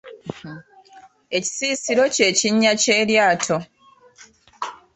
Ekisisiro ky'ekinnya ky’eryato.